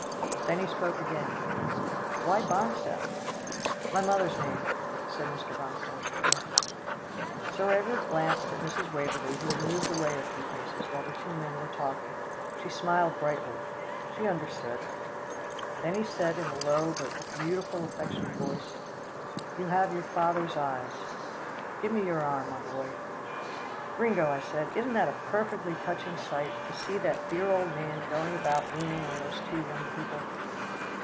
Then he spoke again, "Why Bonstone?" "My mother's name," said Mr. Bonstone shortly. Sir Edward glanced at Mrs. Waverlee who had moved away a few paces, while the two men were talking. She smiled brightly. She understood. Then he said in a low but a beautiful, affectionate voice, "You have your father's eyes. Give me your arm, my boy." "Gringo," I said, "isn't that a perfectly touching sight, to see that dear old man going about leaning on those two young people?"